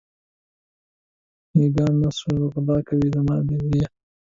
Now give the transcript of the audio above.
مږان نه شو غلا کوې زما لالیه.